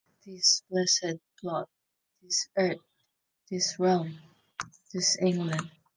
This blessed plot, this earth, this realm, this England.